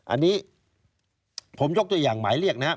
อันนี้ผมยกตัวอย่างหมายเรียกนะครับ